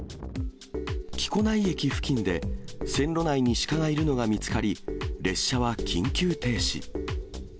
木古内駅付近で線路内に鹿がいるのが見つかり、列車は緊急停止。